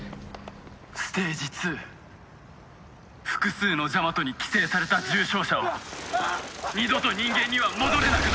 「ステージ２」「複数のジャマトに寄生された重症者は二度と人間には戻れなくなる！」